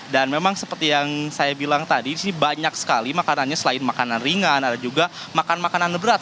memang seperti yang saya bilang tadi banyak sekali makanannya selain makanan ringan ada juga makan makanan berat